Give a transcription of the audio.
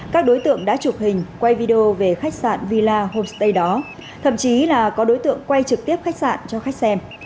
các đối tượng đã chụp hình quay video về khách sạn villa homestay đó thậm chí là có đối tượng quay trực tiếp khách sạn cho khách xem